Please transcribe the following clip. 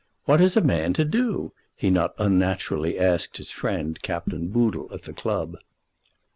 "What is a man to do?" he not unnaturally asked his friend Captain Boodle at the club.